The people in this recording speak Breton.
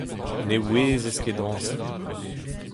Ne ouezez ket dañsal.